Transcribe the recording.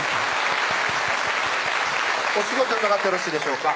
お仕事伺ってよろしいでしょうか